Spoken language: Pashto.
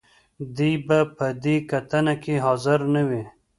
دې به په دې کتنه کې حاضر نه وي.